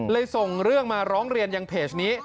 ส่งเรื่องมาร้องเรียนยังเพจนี้